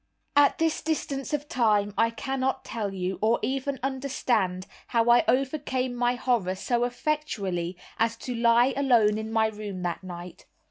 At this distance of time I cannot tell you, or even understand, how I overcame my horror so effectually as to lie alone in my room that night.